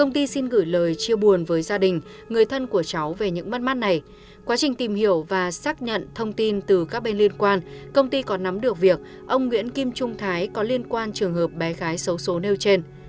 trong quá trình tìm hiểu và xác nhận thông tin từ các bên liên quan công ty còn nắm được việc ông nguyễn kim trung thái có liên quan trường hợp bé gái xấu xố nêu trên